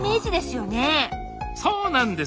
そうなんです。